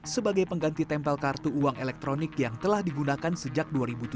sebagai pengganti tempel kartu uang elektronik yang telah digunakan sejak dua ribu tujuh belas